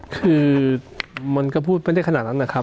คือมันก็พูดไม่ได้ขนาดนั้นนะครับ